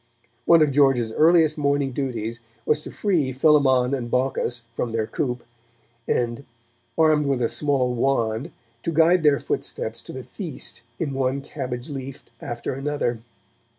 One of George's earliest morning duties was to free Philemon and Baucis from their coop, and, armed with a small wand, to guide their footsteps to the feast in one cabbage leaf after another.